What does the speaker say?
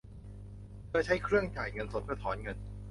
เธอใช้เครื่องจ่ายเงินสดเพื่อถอนเงิน